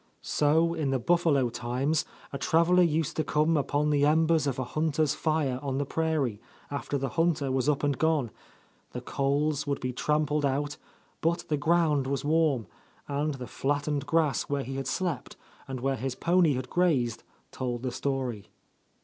So in the buffalo times a traveller used to come upon the embers of a hunter's fire on the prairie, after the hunter was up and gone; the coals would be trampled out, but the ground was warm, and the flattened grass where he had slept and where his pony had grazed, told the story.